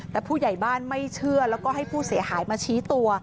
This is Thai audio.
แต่ผู้ใหญ่บ้านไม่เชื่อแล้วก็ให้ผู้เสียหายมาชี้ตัว